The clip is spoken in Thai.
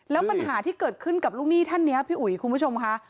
แล้วปัญหาที่เกิดขึ้นกับลูกหนี้ท่านนี้พี่อุ๋ยคุณผู้ชมค่ะ